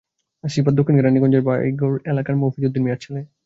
সিফাত দক্ষিণ কেরানীগঞ্জের বাঘৈর এলাকার মফিজ উদ্দিন মিয়ার ছেলে।